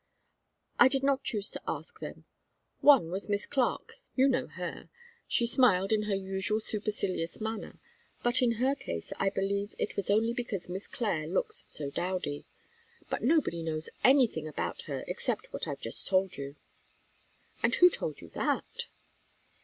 "I did not choose to ask them. One was Miss Clarke you know her. She smiled in her usual supercilious manner, but in her case I believe it was only because Miss Clare looks so dowdy. But nobody knows any thing about her except what I've just told you." "And who told you that?"